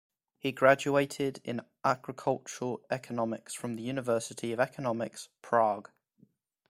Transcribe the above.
He graduated in agricultural economics from the University of Economics, Prague.